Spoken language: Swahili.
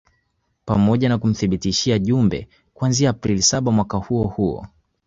pamoja na kumthibitisha Jumbe kuanzia Aprili saba mwaka huo huo